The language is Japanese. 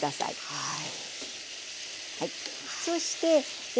はい。